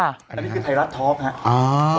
อันนี้คือไทรัตทอล์คฮะ